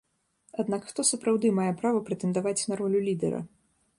Аднак хто сапраўды мае права прэтэндаваць на ролю лідэра?